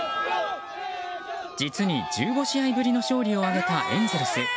実に１５試合ぶりの勝利を挙げたエンゼルス。